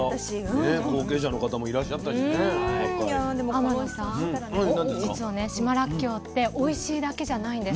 天野さん実はね島らっきょうっておいしいだけじゃないんです。